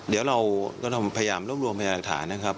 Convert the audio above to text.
เดี๋ยวเราก็พยายามร่วมรวมไปจากหลักฐานนะครับ